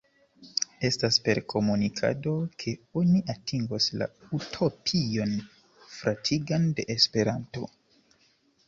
Estas per komunikado, ke oni atingos la utopion fratigan de Esperanto.